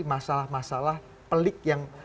masalah masalah pelik yang